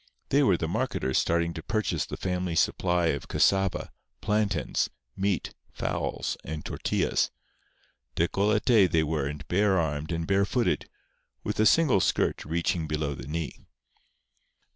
They were the marketers starting to purchase the family supply of cassava, plantains, meat, fowls, and tortillas. Décolleté they were and bare armed and bare footed, with a single skirt reaching below the knee.